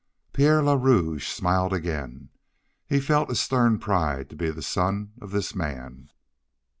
Pierre le Rouge smiled again. He felt a stern pride to be the son of this man.